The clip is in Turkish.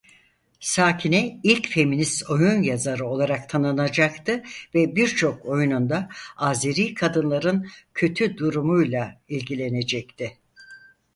Sakine ilk feminist oyun yazarı olarak tanınacaktı ve birçok oyununda Azeri kadınların kötü durumuyla ilgilenecekti.